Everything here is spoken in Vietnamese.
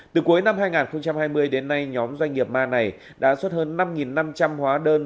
từ cuối năm hai nghìn hai mươi đến nay nhóm doanh nghiệp ma này đã xuất hơn năm năm trăm linh hóa đơn